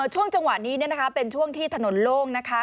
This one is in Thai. ช่วงจังหวะนี้เป็นช่วงที่ถนนโล่งนะคะ